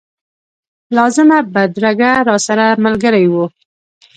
لازمه بدرګه راسره ملګرې وه.